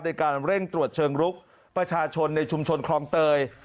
ในการเร่งตรวจเชิงรุกประชาชนในชุมชนคลองเตย